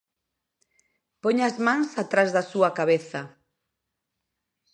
Poña as mans atrás da súa cabeza.